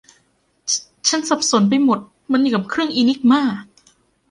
ฉันสับสนไปหมด มันอย่างกับเครื่องอินิกมา